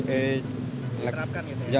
diterapkan gitu ya